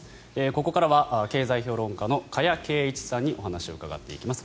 ここからは経済評論家の加谷珪一さんにお話を伺っていきます。